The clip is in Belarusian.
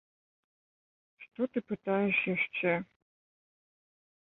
Што ты пытаеш яшчэ.